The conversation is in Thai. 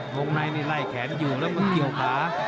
งงไนท์นี่ไล่แขนอยู่แล้วมันเกี่ยวขา